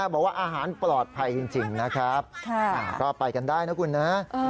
บอกว่าอาหารปลอดภัยจริงนะครับก็ไปกันได้นะคุณนะ